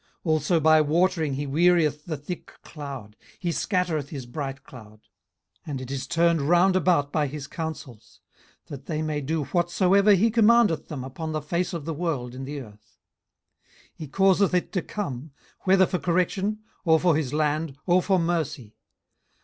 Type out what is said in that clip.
18:037:011 Also by watering he wearieth the thick cloud: he scattereth his bright cloud: 18:037:012 And it is turned round about by his counsels: that they may do whatsoever he commandeth them upon the face of the world in the earth. 18:037:013 He causeth it to come, whether for correction, or for his land, or for mercy.